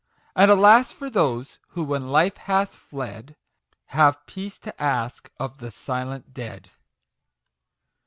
And, alas for those who, when Life hath fled, Have Peace to ask of the silent Dead